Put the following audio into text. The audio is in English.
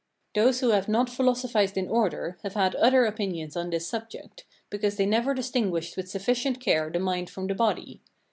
Those who have not philosophized in order have had other opinions on this subject, because they never distinguished with sufficient care the mind from the body.